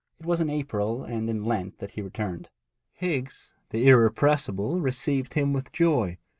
It was in April and in Lent that he returned. Higgs, the irrepressible, received him with joy.